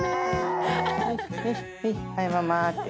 はいママって。